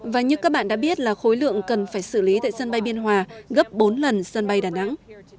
và như các bạn đã biết là khối lượng cần phải xử lý tại sân bay biên hòa gấp bốn lần sân bay đà nẵng